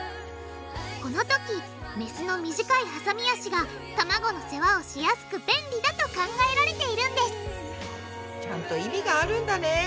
このときメスの短いはさみ脚が卵の世話をしやすく便利だと考えられているんですちゃんと意味があるんだね。